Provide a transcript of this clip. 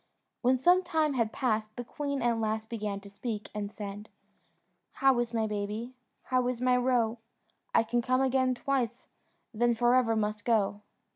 When some time had passed, the queen at last began to speak, and said "How is my baby? How is my roe? I can come again twice, then for ever must go."